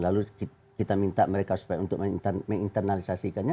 lalu kita minta mereka supaya untuk menginternalisasikannya